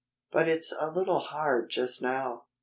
But it's a little hard just now."